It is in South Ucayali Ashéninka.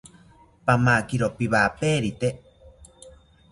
Pamakiro piwaperite